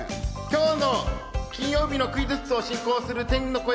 今日の金曜日のクイズッスを進行する天の声